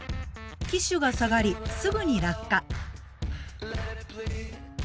機首が下がりすぐに落下。